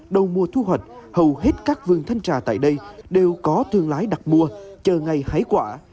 đầu mùa thu hoạch hầu hết các vườn thanh trà tại đây đều có thương lái đặc mùa chờ ngày hái quả